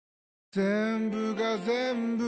ぜんぶがぜんぶ